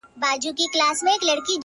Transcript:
• چي زه هم لکه بوډا ورته ګویا سم,